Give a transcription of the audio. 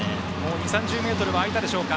２０３０ｍは空いたでしょうか。